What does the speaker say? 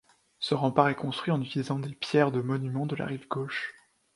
Ce rempart est construit en utilisant les pierres des monuments de la rive gauche.